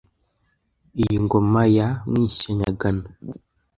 Iyi ngoma ya Mwishyanyagano